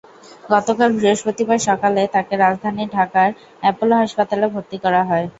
গতকাল বৃহস্পতিবার সকালে তাঁকে রাজধানী ঢাকার অ্যাপোলো হাসপাতালে ভর্তি করা হয়।